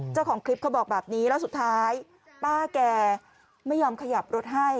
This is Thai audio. เจ้าของคลิปเขาบอกแบบนี้แล้วสุดท้ายป้าแกไม่ยอมขยับรถให้